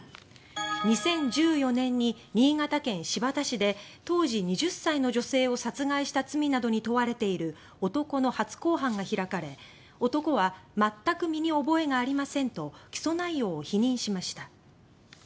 ２０１４年に新潟県新発田市で当時２０歳の女性を殺害した罪などに問われている男の初公判が開かれ男は「全く身に覚えがありません」と起訴内容を否認しました。